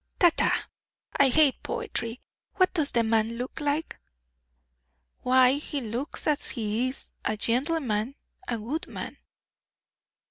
"Ta, ta! I hate poetry. What does the man look like?" "Why, he looks as he is, a gentleman, a good man."